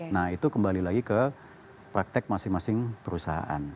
nah itu kembali lagi ke praktek masing masing perusahaan